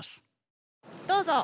どうぞ。